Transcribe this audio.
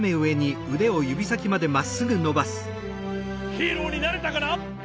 ヒーローになれたかな？